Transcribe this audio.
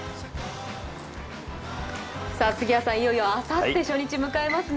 杉谷さん、いよいよあさって初日、迎えますね。